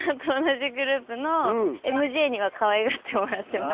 ＭＪにはかわいがってもらってます。